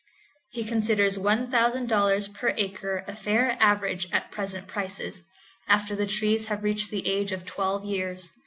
He considers $1000 per acre a fair average at present prices, after the trees have reached the age of twelve years.